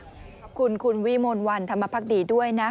ขอบคุณคุณวิมลวันธรรมพักดีด้วยนะ